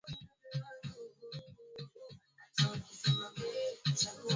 utahitaji viazi lishe gram ishirini